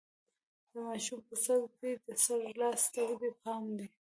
د ماشوم په سر، دې سره لاس ته دې پام دی؟